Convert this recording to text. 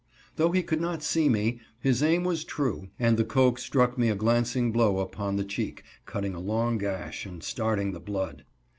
Though he could not see me, his aim was true, and the coke struck me a glancing blow upon the cheek, cutting a long gash, and starting the blood.